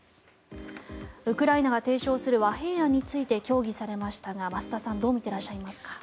ウクライナが提唱する和平案について協議されましたが増田さんどう見てらっしゃいますか？